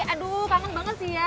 aduh kangen banget sih ya